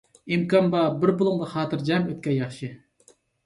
ئىمكان بار، بىر بۇلۇڭدا خاتىرجەم ئۆتكەن ياخشى.